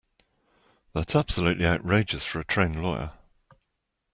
That's absolutely outrageous for a trained lawyer.